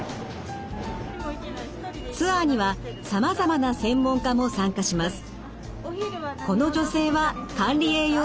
ツアーにはさまざまな専門家も参加します。